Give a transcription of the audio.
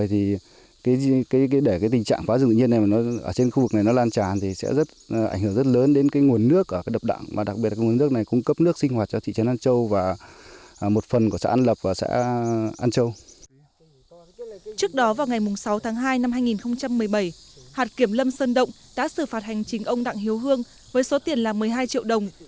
hạt kiểm lâm sơn động đã xử phạt hành chính ông đặng hiếu hương với số tiền là một mươi hai triệu đồng